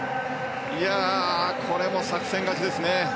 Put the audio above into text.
これも作戦勝ちですね。